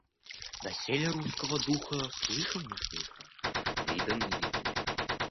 Доселе русскаго духа слыхом не слыхано, видом не видано.